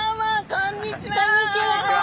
こんにちは！